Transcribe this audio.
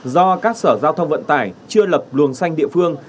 do các sở giao thông vận tải chưa lập luồng xanh địa phương